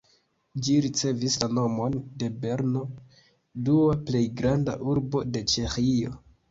Ĝi ricevis la nomon de Brno, dua plej granda urbo de Ĉeĥio.